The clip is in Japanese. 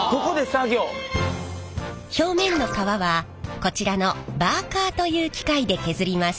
表面の皮はこちらのバーカーという機械で削ります。